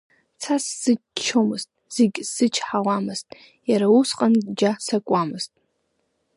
Цас сзыччомызт, зегьы сзычҳауамызт, иара усҟангь џьа сакуамызт.